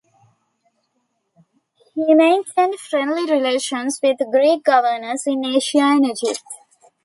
He maintained friendly relations with Greek governors in Asia and Egypt.